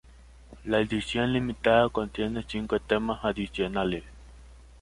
La edición limitada contiene cinco temas adicionales.